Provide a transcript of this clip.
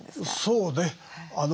そうね。